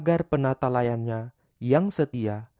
agar penata layannya yang setia